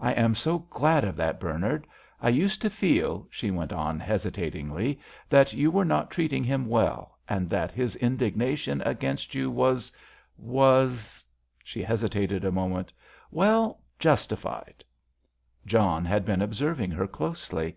I am so glad of that, Bernard; I used to feel," she went on, hesitatingly, "that you were not treating him well, and that his indignation against you was—was—" she hesitated a moment—"well—justified." John had been observing her closely.